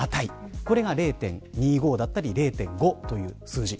これが０．２５だったり０．５という数字。